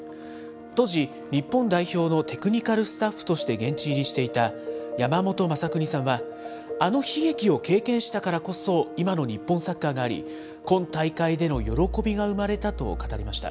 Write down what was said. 当時、日本代表のテクニカルスタッフとして現地入りしていた山本昌邦さんは、あの悲劇を経験したからこそ、今の日本サッカーがあり、今大会での喜びが生まれたと語りました。